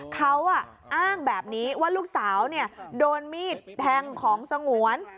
เขาอ้างแบบนี้ว่าลูกสาวโดนมีดแทงของสงวน